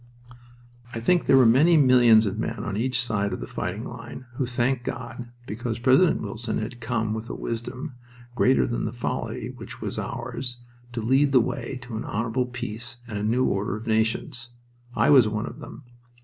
I think there were many millions of men on each side of the fighting line who thanked God because President Wilson had come with a wisdom greater than the folly which was ours to lead the way to an honorable peace and a new order of nations. I was one of them...